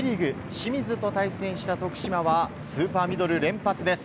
清水と対戦した徳島はスーパーミドル連発です。